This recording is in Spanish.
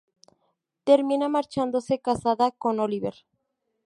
Termina marchándose casada con Oliver.